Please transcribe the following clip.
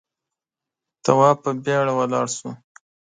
تواب په بيړه ولاړ شو.